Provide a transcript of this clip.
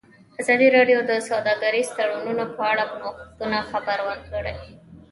ازادي راډیو د سوداګریز تړونونه په اړه د نوښتونو خبر ورکړی.